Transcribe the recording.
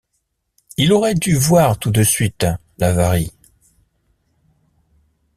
Il aurait dû voir tout de suite l’avarie.